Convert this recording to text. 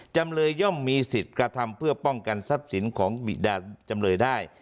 จำเลยย่อมมีสิทธิ์กระทำเพื่อป้องกันทรัพย์สินของบิดาจำเลยได้